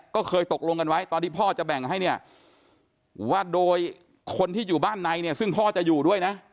ก็เคยตกลงกันไว้ตอนที่พ่อจะแบ่งให้เนี่ยว่าโดยคนที่อยู่บ้านในเนี่ยซึ่งพ่อจะอยู่ด้วยนะ